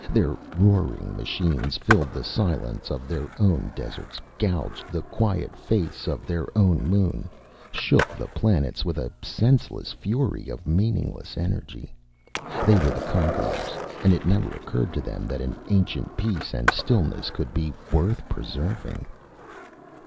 Their roaring machines filled the silence of their own deserts, gouged the quiet face of their own moon, shook the planets with a senseless fury of meaningless energy. They were the conquerors, and it never occurred to them that an ancient peace and stillness could be worth preserving.